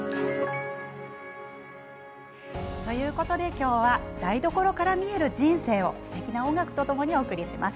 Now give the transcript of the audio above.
今日は、台所から見える人生をすてきな音楽とともにお送りします。